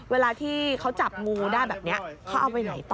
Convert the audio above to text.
เวลาที่เขาจับงูได้แบบนี้เขาเอาไปไหนต่อ